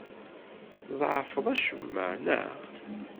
Tḍeɛfeḍ acemma, neɣ?